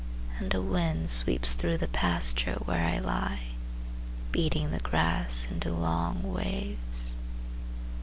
And a wind sweeps through the pasture where I lie Beating the grass into long waves.